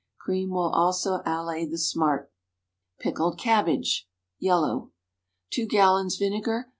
Cream will also allay the smart. PICKLED CABBAGE (Yellow.) 2 gallons vinegar.